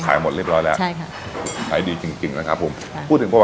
หมดเรียบร้อยแล้วใช่ค่ะขายดีจริงจริงนะครับผมค่ะพูดถึงพวก